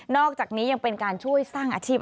อกจากนี้ยังเป็นการช่วยสร้างอาชีพ